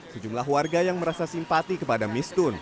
sejumlah warga yang merasa simpati kepada mistun